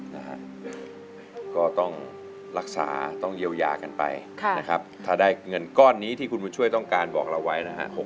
นะฮะก็ต้องรักษาต้องเยียวยากันไปนะครับถ้าได้เงินก้อนนี้ที่คุณบุญช่วยต้องการบอกเราไว้นะฮะ